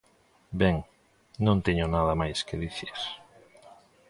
Ben, non teño nada máis que dicir.